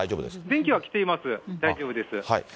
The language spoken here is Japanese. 電気は来ています、大丈夫です。